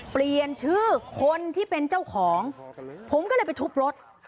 เปลี่ยนชื่อคนที่เป็นเจ้าของผมก็เลยไปทุบรถ